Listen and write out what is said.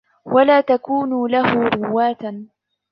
وَلَا تَكُونُوا لَهُ رُوَاةً